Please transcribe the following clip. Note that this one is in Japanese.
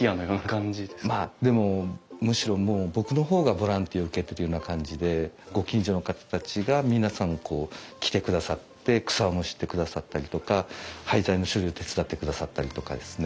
でもむしろもう僕の方がボランティアを受けてるような感じでご近所の方たちが皆さん来てくださって草をむしってくださったりとか廃材の処理を手伝ってくださったりとかですね。